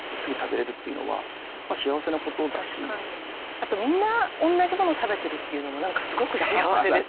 あとみんな同じものを食べてるっていうのもなんかすごく幸せです。